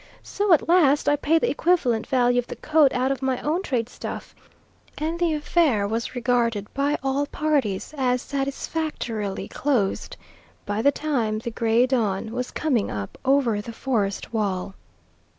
So at last I paid the equivalent value of the coat out of my own trade stuff; and the affair was regarded by all parties as satisfactorily closed by the time the gray dawn was coming up over the forest wall.